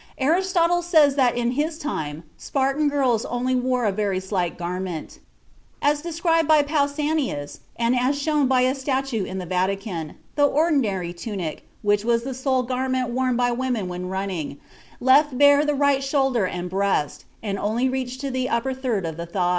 Aristotle says that in his time Spartan girls only wore a very slight garment. As described by Pausanias, and as shown by a statue in the Vatican, the ordinary tunic, which was the sole garment worn by women when running, left bare the right shoulder and breast, and only reached to the upper third of the thighs.